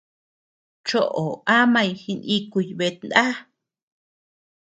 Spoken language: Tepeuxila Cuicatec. Choʼo amañ jinikuy betná.